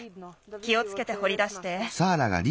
気をつけてほりだして。